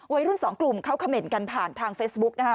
วัยรุ่นสองกลุ่มเขาเขม่นกันผ่านทางเฟซบุ๊กนะคะ